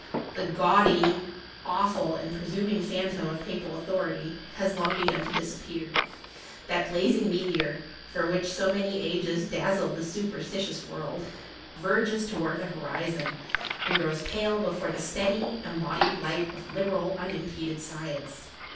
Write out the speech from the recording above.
The gaudy, awful, and presuming phantom of Papal au thority, has long begun to disappear: that blazing meteor, which for so many ages daz zled the superstitious world, verges towards the horizon, and grows pale before the stea dy, embodied light of liberal, unimpeded sci ence.